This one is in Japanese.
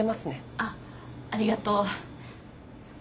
あありがとう。